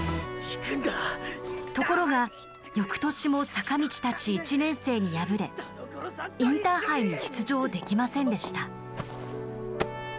ところがよくとしも坂道たち１年生に敗れインターハイに出場できませんでした。